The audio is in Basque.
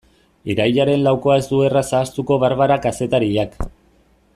Irailaren laukoa ez du erraz ahaztuko Barbara kazetariak.